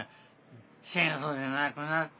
戦争で亡くなってなあ？